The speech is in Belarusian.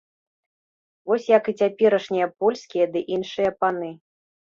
Вось як і цяперашнія польскія ды іншыя паны.